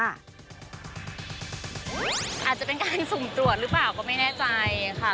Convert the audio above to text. อาจจะเป็นการสุ่มตรวจหรือเปล่าก็ไม่แน่ใจค่ะ